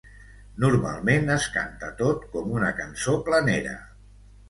Normalment es canta tot com una cançó planera.